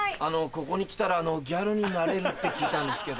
ここに来たらギャルになれるって聞いたんですけど。